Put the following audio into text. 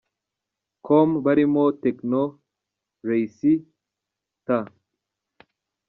com barimo Tekno, Ray C, T.